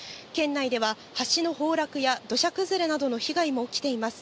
県内では、橋の崩落や土砂崩れなどの被害も起きています。